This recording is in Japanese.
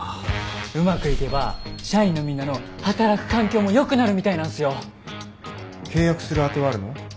うまくいけば社員のみんなの働く環境も良くなるみたいなんすよ。契約する当てはあるの？